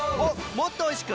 もっとおいしく！